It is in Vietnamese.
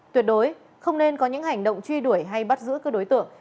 tuyệt đối không nên có những hành động truy đuổi hay bắt giữ các đối tượng